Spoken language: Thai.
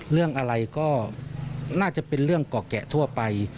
เรื่องอะไรก็น่าจะเป็นเรื่องเกาะแกะทั่วไป